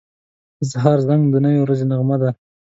• د سهار زنګ د نوې ورځې نغمه ده.